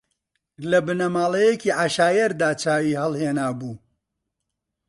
لە بنەماڵەیەکی عەشایەردا چاوی ھەڵھێنابوو